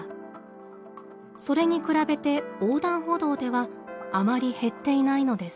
それに比べて横断歩道ではあまり減っていないのです。